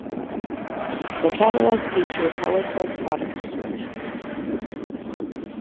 The catalog featured colorful product descriptions.